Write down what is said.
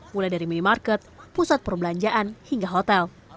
mulai dari minimarket pusat perbelanjaan hingga hotel